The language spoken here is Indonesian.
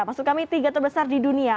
maksud kami tiga terbesar di dunia